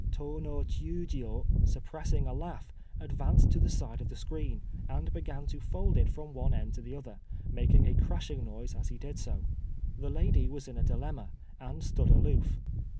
Tô no Chiûjiô, suppressing a laugh, advanced to the side of the screen, and began to fold it from one end to the other, making a crashing noise as he did so. The lady was in a dilemma, and stood aloof.